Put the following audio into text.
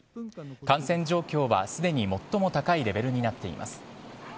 感染状況はすでに最も高いレベルになっています。